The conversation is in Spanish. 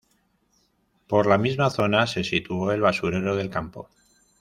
Por la misma zona se situó el basurero del campo.